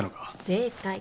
正解。